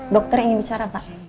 dokter ingin bicara pak